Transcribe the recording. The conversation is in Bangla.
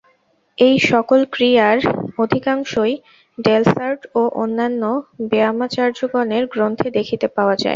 এই-সকল ক্রিয়ার অধিকাংশই ডেলসার্ট ও অন্যান্য ব্যায়ামাচার্যগণের গ্রন্থে দেখিতে পাওয়া যায়।